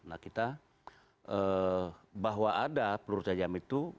nah kita bahwa ada peluru tajam itu